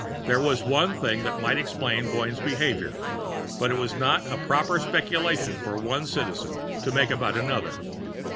There was one thing that might explain Boyne's behavior. But it was not a proper speculation for one Citizen to make about another.